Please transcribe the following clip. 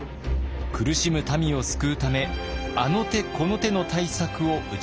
苦しむ民を救うためあの手この手の対策を打ちました。